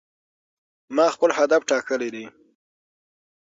ما خپل هدف ټاکلی دی.